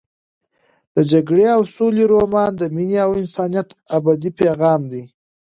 د جګړې او سولې رومان د مینې او انسانیت ابدي پیغام دی.